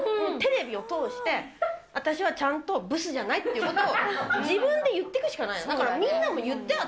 テレビを通して、私はちゃんとブスじゃない！っていうことを、自分で言っていくしかないの。